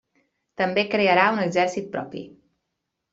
També crearà un exèrcit propi.